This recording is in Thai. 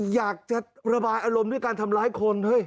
อยากจะระบายอารมณ์ด้วยการทำร้ายคนเฮ้ย